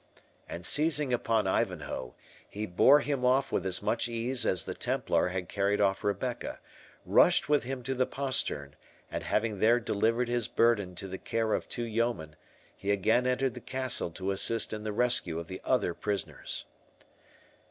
And seizing upon Ivanhoe, he bore him off with as much ease as the Templar had carried off Rebecca, rushed with him to the postern, and having there delivered his burden to the care of two yeomen, he again entered the castle to assist in the rescue of the other prisoners.